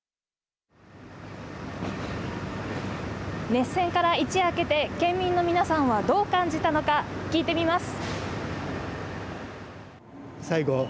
熱戦から一夜明けて県民の皆さんはどう感じたのか聞いてみます。